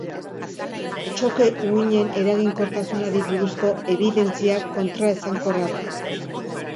Txoke-uhinen eraginkortasunari buruzko ebidentzia kontraesankorra da.